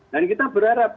dan kita berharap